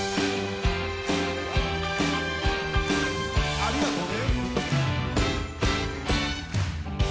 ありがとね！